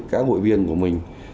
các hội viên của mình